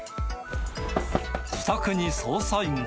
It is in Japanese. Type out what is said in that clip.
自宅に捜査員が。